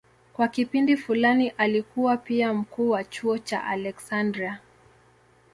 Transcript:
Kwa kipindi fulani alikuwa pia mkuu wa chuo cha Aleksandria.